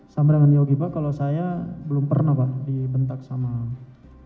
sama dengan yogi pak kalau saya belum pernah pak dibentak sama pak